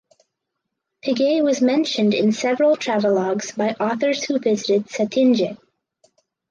Piguet was mentioned in several travelogues by authors who visited Cetinje.